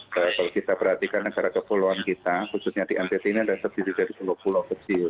kita perhatikan negara kepulauan kita khususnya di ntt ini ada sebisanya sepuluh pulau kecil